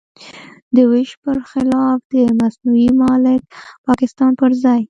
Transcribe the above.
د وېش پر خلاف د مصنوعي ملک پاکستان پر ځای.